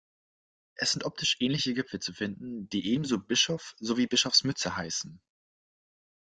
Es sind optisch ähnliche Gipfel zu finden, die ebenso „Bischof“ sowie „Bischofsmütze“ heißen.